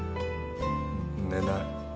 寝ない。